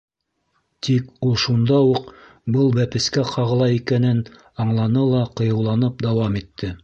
Тик ул шунда уҡ был бәпескә ҡағыла икәнен аңланы ла ҡыйыуланып дауам итте: